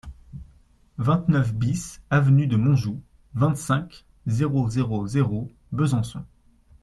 vingt-neuf BIS avenue de Montjoux, vingt-cinq, zéro zéro zéro, Besançon